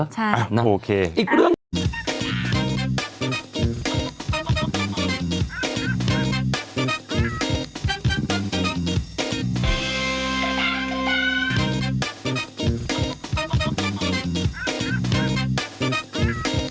ใช่อีกก็เรื่องโอเค